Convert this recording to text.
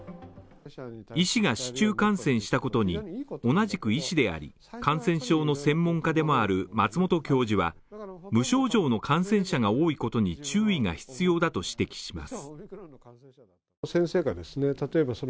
医師が市中感染したことにより、同じく医師であり、感染症の専門家でもある松本教授は無症状の感染者が多いことに注意が必要だと指摘します。